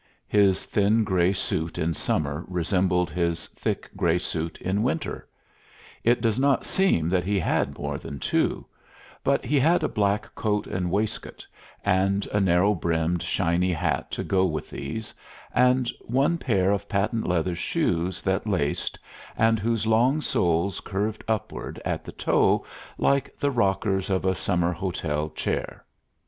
His thin gray suit in summer resembled his thick gray suit in winter. It does not seem that he had more than two; but he had a black coat and waistcoat, and a narrow brimmed, shiny hat to go with these, and one pair of patent leather shoes that laced, and whose long soles curved upward at the toe like the rockers of a summer hotel chair.